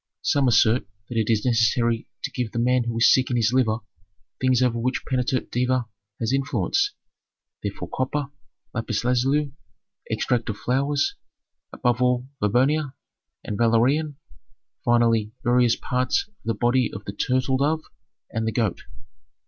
Some assert that it is necessary to give the man who is sick in his liver things over which Peneter Deva has influence, therefore copper, lapis lazuli, extract of flowers, above all verbena and valerian, finally, various parts of the body of the turtle dove and the goat.